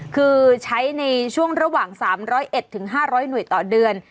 คือใช้ในช่วงระหว่าง๓๐๑๕๐๐หน่วยต่อเดือน